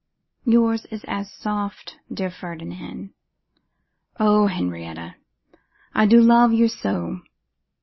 'Yours is as soft, dear Ferdinand.' 'O Henrietta! I do love you so!